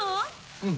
うん。